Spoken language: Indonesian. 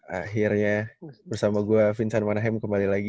akhirnya bersama gue vincen manahem kembali lagi